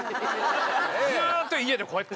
ずっと家でこうやって。